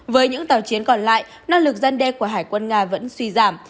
với những tàu chiến còn lại năng lực dân đe của hải quân nga vẫn suy giảm